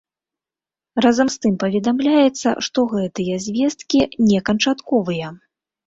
Разам з тым паведамляецца, што гэтыя звесткі не канчатковыя.